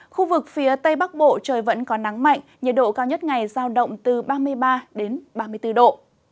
khu vực phía tây bắc bộ trời vẫn có nắng mạnh nhiệt độ cao nhất ngày giao động từ ba mươi ba đến ba mươi bốn độ